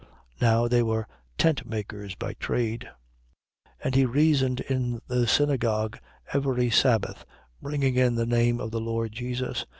(Now they were tentmakers by trade.) 18:4. And he reasoned in the synagogue every sabbath, bringing in the name of the Lord Jesus.